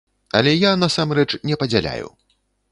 Але я, насамрэч, не падзяляю.